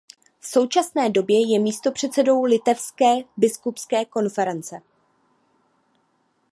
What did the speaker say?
V současné době je místopředsedou litevské biskupské konference.